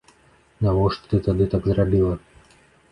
Навошта ты тады так зрабіла?